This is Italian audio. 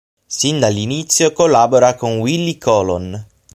Sin dall'inizio collabora con Willie Colon.